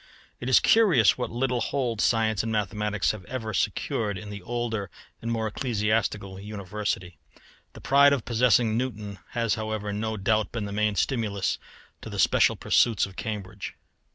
It is curious what little hold science and mathematics have ever secured in the older and more ecclesiastical University. The pride of possessing Newton has however no doubt been the main stimulus to the special pursuits of Cambridge.